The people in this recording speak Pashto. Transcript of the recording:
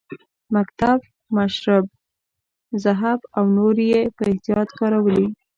مکتب، مشرب، ذهب او نور یې په احتیاط کارولي.